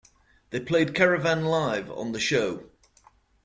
They played Caravan live on the show.